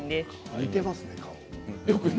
似ていますね、顔。